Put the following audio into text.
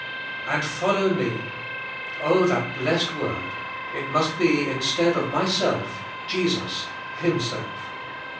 ^'And follow me." Oh, that blessed word. It must be instead of myself^ Jesus, Himself.